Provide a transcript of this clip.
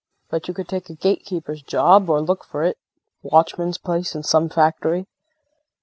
But you could take a gatekeeper's job or look for a watchman's place in some factory.